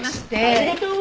ありがとう！